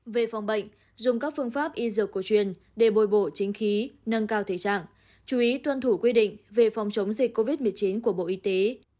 về phòng bệnh dùng các phương pháp y dược cổ truyền để bồi bộ chính khí nâng cao thể trạng chú ý tuân thủ quy định về phòng chống dịch covid một mươi chín của bộ y tế